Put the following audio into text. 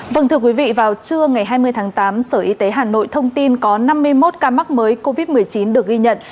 vâng thưa quý vị vào trưa ngày hai mươi tháng tám sở y tế hà nội thông tin có năm mươi một ca mắc mới covid một mươi chín được ghi nhận